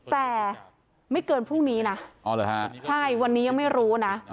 แต่ไม่เกินพรุ่งนี้นะใช่วันนี้ยังไม่รู้นะ